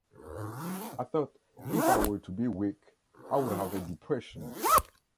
I thought if I were to be weak I would have a depression.